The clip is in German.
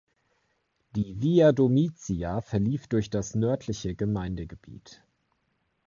Die Via Domitia verlief durch das nördliche Gemeindegebiet.